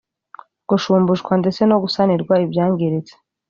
gushumbushwa ndetse no gusanirwa ibyangiritse